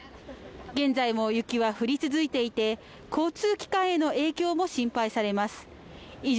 現在も雪は降り続いていて交通機関への影響も心配されます以上